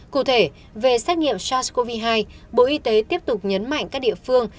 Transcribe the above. cụ thể về xét nghiệm sars cov hai bộ y tế tiếp tục nhấn mạnh các địa phương